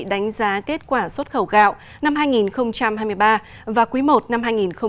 đánh giá kết quả xuất khẩu gạo năm hai nghìn hai mươi ba và quý i năm hai nghìn hai mươi bốn